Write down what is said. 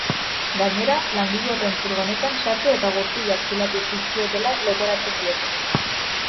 Gainera, langile horren furgonetan sartu eta gurpilak zulatu zizkiotela leporatzen diete.